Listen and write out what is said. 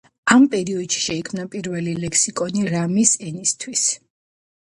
ამ პერიოდში შეიქმნა პირველი ლექსიკონი რამის ენისთვის.